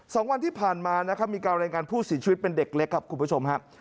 สองวันที่ผ่านมานะครับมีการรายงานผู้เสียชีวิตเป็นเด็กเล็กครับคุณผู้ชมครับ